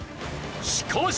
しかし。